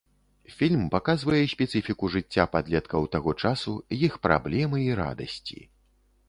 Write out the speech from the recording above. Фільм паказвае спецыфіку жыцця падлеткаў таго часу, іх праблемы і радасці.